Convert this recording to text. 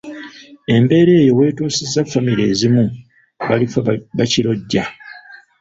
Embeera eyo wetuusizza famire ezimu balifa bakirojja!